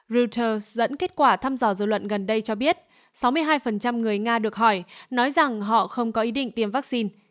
reuters dẫn kết quả thăm dò dư luận gần đây cho biết sáu mươi hai người nga được hỏi nói rằng họ không có ý định tiêm vaccine